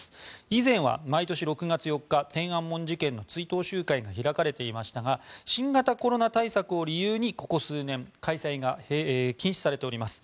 以前は毎年６月４日天安門事件の追悼集会が開かれていましたが新型コロナ対策を理由にここ数年、開催が禁止されております。